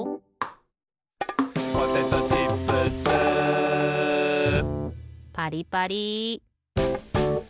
「ポテトチップス」パリパリ。